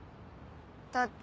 だって